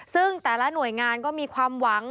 ซึ่งแต่ละหน่วยงานก็มีความหวัง